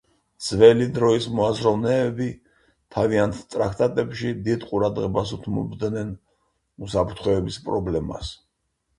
ძველი დროის მოაზროვნეები თავიანთ ტრაქტატებში დიდ ყურადღებას უთმობდნენ უსაფრთხოების პრობლემას.